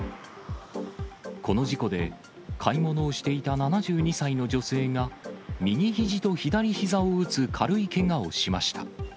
この事故で、買い物をしていた７２歳の女性が、右ひじと左ひざを打つ軽いけがをしました。